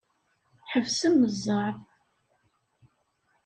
Ḥebsem zzeɛḍ.